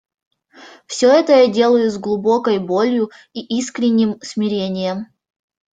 Все это я делаю с глубокой болью и искренним смирением.